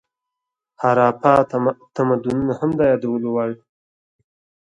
هاراپا تمدنونه هم د یادولو وړ دي.